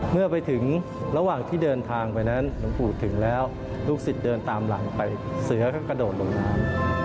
เมื่อไปถึงระหว่างที่เดินทางไปนั้นหลวงปู่ถึงแล้วลูกศิษย์เดินตามหลังไปเสือก็กระโดดลงน้ำ